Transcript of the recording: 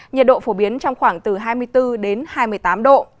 nhiệt độ phổ biến trong khoảng từ hai mươi bốn đến hai mươi tám độ